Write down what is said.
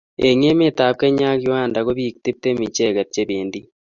eng' emetab kenya ak uganda ko biik tiptem ichekei che bendi